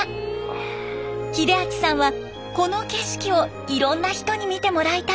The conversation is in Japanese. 秀明さんはこの景色をいろんな人に見てもらいたいといいます。